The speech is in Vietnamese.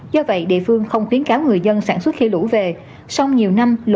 do vậy địa phương không tiến cáo người dân sản xuất khi lũ về